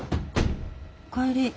お帰り。